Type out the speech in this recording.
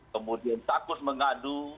kemudian takut mengadu